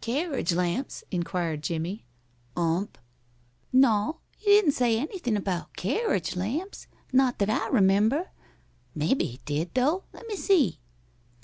"Carriage lamps?" inquired Jimmie. "Ump." "No, he didn't say anything about carriage lamps not that I remember. Maybe he did, though. Lemme see....